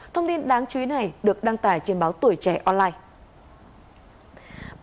thông tin đáng chú ý này được đăng tải trên báo tuổi trẻ online